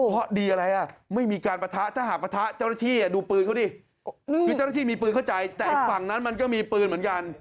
คือเจ้าหน้าที่มีปืนเข้าใจแต่ฝั่งนั้นมันก็มีปืนเหมือนกัน